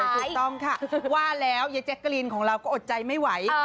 ถูกต้องค่ะว่าแล้วยายแจ๊กกะลีนของเราก็อดใจไม่ไหว